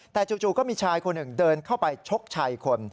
แต่จู่ก็มีชายคนหนึ่งเดินเข้าไปชกชายอีกคน